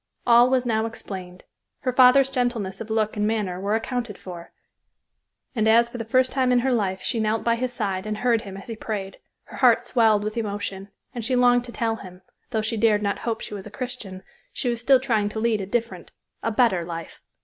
All was now explained. Her father's gentleness of look and manner were accounted for; and as for the first time in her life she knelt by his side and heard him as he prayed, her heart swelled with emotion, and she longed to tell him, though she dared not hope she was a Christian, she was still trying to lead a different, a better life.